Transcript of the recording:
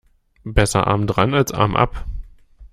Besser arm dran als Arm ab.